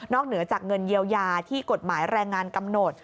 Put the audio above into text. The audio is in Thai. เหนือจากเงินเยียวยาที่กฎหมายแรงงานกำหนด